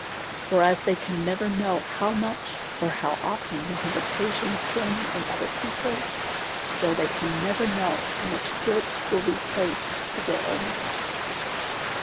For as they can never know how much, or how often they have occasioned sin in other people, so they can never know how much guilt will be placed to their own account.